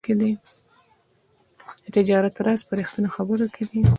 د تجارت راز په رښتیني خبرو کې دی.